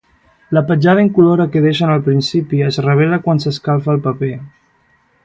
La petjada incolora que deixen al principi es revela quan s'escalfa el paper.